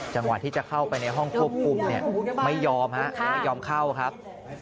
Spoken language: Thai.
จังหวะที่จะเข้าไปในห้องควบคุมไม่ยอมเข้าครับ